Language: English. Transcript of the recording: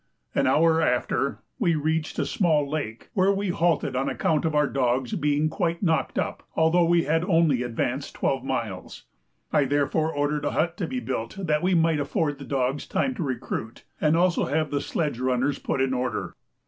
An hour after, we reached a small lake, where we halted on account of our dogs being quite knocked up, although we had only advanced twelve miles; I therefore ordered a hut to be built that we might afford the dogs time to recruit, and also have the sledge runners put in order.